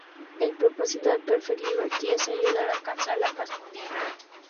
El propósito de Perfect Liberty, es "ayudar a alcanzar la Paz Mundial".